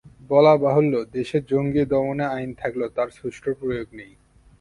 বলা বাহুল্য, দেশে জঙ্গি দমনে আইন থাকলেও তার সুষ্ঠু প্রয়োগ নেই।